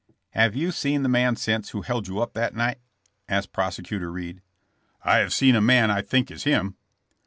Have you seen the man since who held yo]i up that night ?" asked Prosecutor Reed. I have seen a man I think is him."